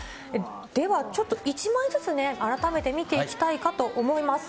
ではちょっと１枚ずつね、改めて見ていきたいかと思います。